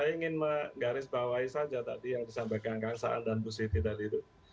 saya ingin menggarisbawahi saja tadi yang disampaikan kang saan dan bu siti tadi itu